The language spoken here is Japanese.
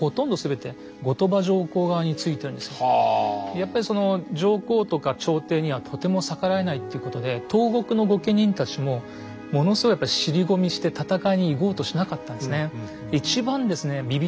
やっぱり上皇とか朝廷にはとても逆らえないっていうことで東国の御家人たちもものすごいやっぱ尻込みして戦いに行こうとしなかったんですね。